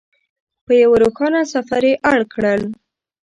په یوه روښانه سفر یې اړ کړل.